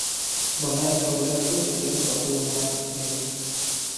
Бына икәүләп шул тиклем татыу уйнар инегеҙ.